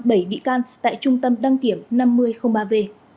bảy bị can tại trung tâm đăng kiểm năm mươi ba v